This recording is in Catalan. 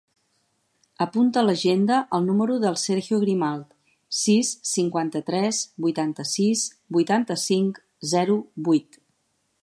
Apunta a l'agenda el número del Sergio Grimalt: sis, cinquanta-tres, vuitanta-sis, vuitanta-cinc, zero, vuit.